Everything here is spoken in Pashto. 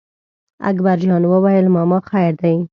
اکبر جان وویل: ماما خیر دی.